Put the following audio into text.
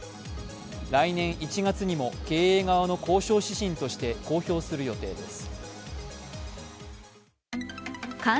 来年１月にも経営側の交渉指針として公表する予定です。